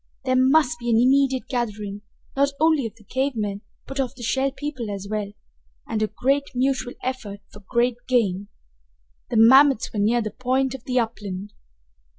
There must be an immediate gathering, not only of the cave men, but of the Shell People as well, and great mutual effort for great gain. The mammoths were near the point of the upland!